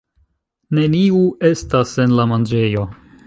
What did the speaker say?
Neniu estas en la manĝejo.